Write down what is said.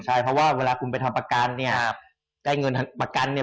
ใช่เพราะว่าเวลาคุณไปทำประกันเนี่ย